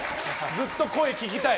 ずっと声聞きたい。